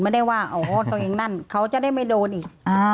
ไม่ได้ว่าตรงอย่างนั้นเขาจะได้ไม่โดนอีก